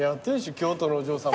京都のお嬢さま。